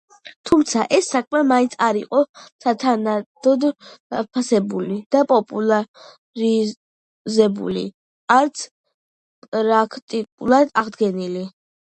თუმცა ეს საქმე მაინც არ იყო სათანადოდ დაფასებული და პოპულარიზებული, არც პრაქტიკულად აღდგენილი.